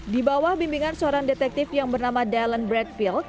di bawah bimbingan seorang detektif yang bernama dallon bradfield